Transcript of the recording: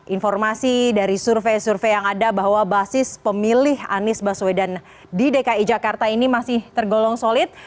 informasi dari survei survei yang ada bahwa basis pemilih anies baswedan di dki jakarta ini masih tergolong solid